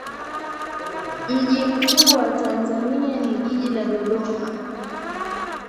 Mji mkuu wa Tanzania ni jiji la Dodoma.